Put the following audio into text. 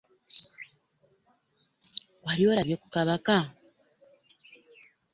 Wali olabye ku kabaka?